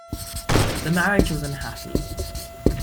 The marriage was unhappy.